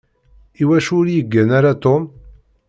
Iwacu ur yeggan ara Tom?